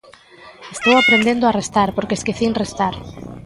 Estou aprendendo a restar porque esquecín restar.